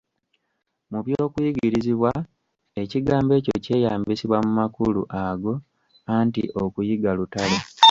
Mu by'okuyigirizibwa ekigambo ekyo kyeyambisibwa mu makulu ago anti okuyiga lutalo.